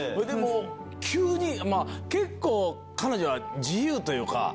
急に結構彼女は自由というか。